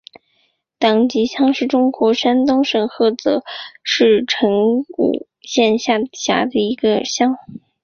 党集乡是中国山东省菏泽市成武县下辖的一个乡。